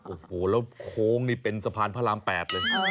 โอ้โหแล้วโค้งนี่เป็นสะพานพระราม๘เลย